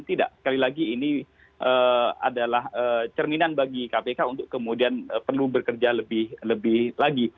tidak sekali lagi ini adalah cerminan bagi kpk untuk kemudian perlu bekerja lebih lagi